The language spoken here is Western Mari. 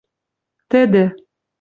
Тӹдӹ